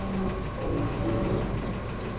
А уш пурен огыл.